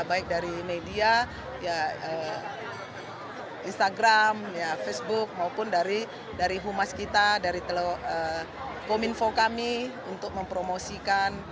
baik dari media instagram facebook maupun dari humas kita dari kominfo kami untuk mempromosikan